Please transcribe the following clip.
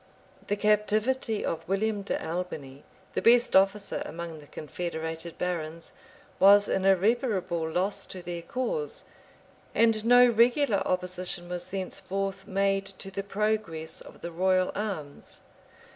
The captivity of William de Albiney, the best officer among the confederated barons, was an irreparable loss to their cause; and no regular opposition was thenceforth made to the progress of the royal arms.